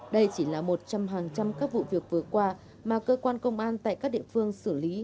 đây chỉ là một trong hàng trăm các vụ việc vừa qua mà cơ quan công an tại các địa phương xử lý